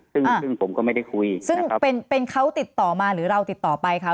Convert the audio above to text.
ซึ่งซึ่งผมก็ไม่ได้คุยซึ่งเป็นเป็นเขาติดต่อมาหรือเราติดต่อไปคะ